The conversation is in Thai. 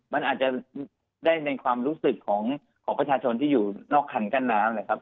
มันอาจจะได้ในความรู้สึกของประชาชนที่อยู่นอกคันกั้นน้ำนะครับ